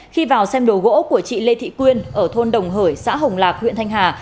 khi vào xem đồ gỗ của chị lê thị quyên ở thôn đồng hới xã hồng lạc huyện thanh hà